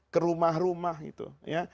ke rumah rumah itu ya